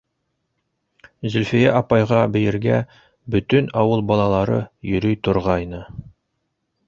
Зөлфиә апайға бейергә бөтөн ауыл балалары йөрөй торғайны.